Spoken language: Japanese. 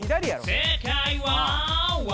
「正解は」